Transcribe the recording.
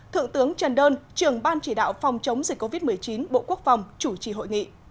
thượng tướng trần đơn trưởng ban chỉ đạo phòng chống dịch covid một mươi chín bộ quốc phòng chủ trì hội nghị